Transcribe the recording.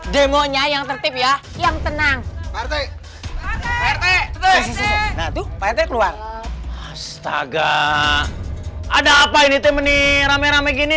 demo nya yang tertib ya yang tenang rt rt rt keluar astaga ada apa ini temen irame rame gini